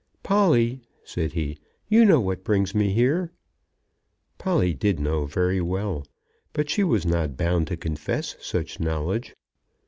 "Polly," said he, "you know what brings me here." Polly did know very well, but she was not bound to confess such knowledge.